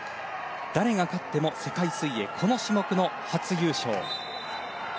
誰が勝っても世界水泳この種目の初優勝。